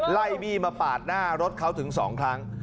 ไล่บี้มาปาดหน้ารถเขาถึง๒ครั้ง